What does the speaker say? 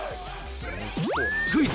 クイズ！